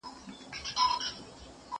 درسونه د زده کوونکي له خوا اورېدلي کيږي!؟